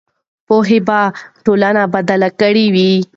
پوهه به ټولنه بدله کړې وي.